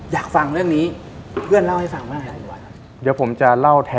อยากฟังเรื่องนี้เพื่อนเล่าให้ฟังบ้างหรือเปล่า